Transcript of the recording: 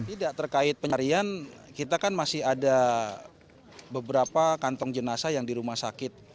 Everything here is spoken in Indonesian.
tidak terkait pencarian kita kan masih ada beberapa kantong jenazah yang di rumah sakit